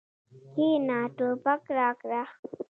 کېنه ټوپک راکړه.